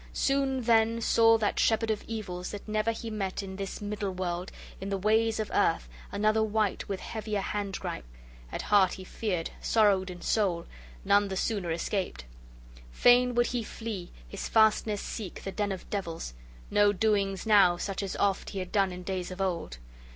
Soon then saw that shepherd of evils that never he met in this middle world, in the ways of earth, another wight with heavier hand gripe; at heart he feared, sorrowed in soul, none the sooner escaped! Fain would he flee, his fastness seek, the den of devils: no doings now such as oft he had done in days of old!